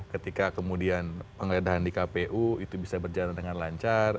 ketika kemudian penggeledahan di kpu itu bisa berjalan dengan lancar